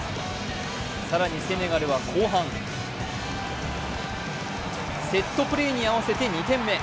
更にセネガルは後半、セットプレーに合わせて２点目。